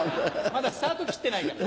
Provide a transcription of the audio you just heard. まだスタート切ってないから。